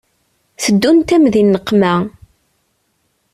Teddunt-am di nneqma.